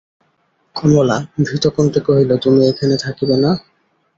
কমলা ভীতকণ্ঠে কহিল, তুমি এখানে থাকিবে না?